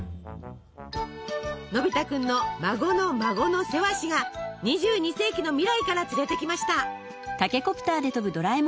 のび太くんの孫の孫のセワシが２２世紀の未来から連れてきました。